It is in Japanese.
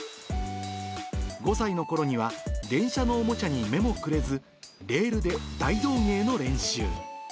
５歳のころには電車のおもちゃに目もくれず、レールで大道芸の練習。